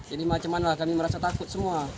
ini macam mana kami merasa takut semua